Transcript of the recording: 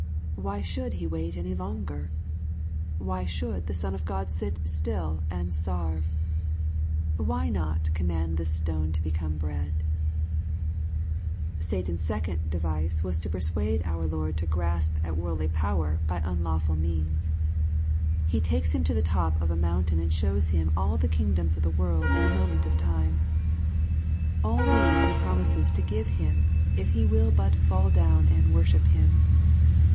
Why should He wait any longer ? Why should the Son of God sit still and starve ? Why not " command this stone to becOme bread ?", Satan's second device was to persuade our Lord to grasp at worldly power by unlawful means. He takes Him to the top of a mountain and shows Him ^^ all the kingdoms of the world in a moment of time." All these he promises to give Him, if He will but " Ml down and worship him."